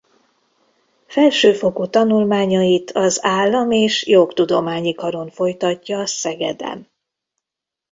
Felsőfokú tanulmányait az Állam- és Jogtudományi Karon folytatja Szegeden.